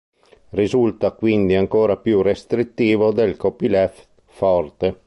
Risulta quindi ancora più restrittivo del copyleft forte.